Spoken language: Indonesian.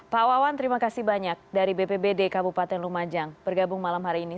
pak wawan terima kasih banyak dari bpbd kabupaten lumajang bergabung malam hari ini